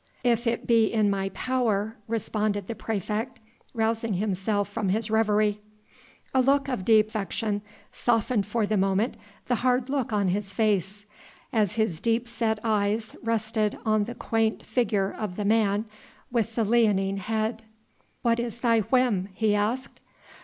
"If it be in my power," responded the praefect, rousing himself from his reverie. A look of deep affection softened for the moment the hard look on his face, as his deep set eyes rested on the quaint figure of the man with the leonine head. "What is thy whim?" he asked.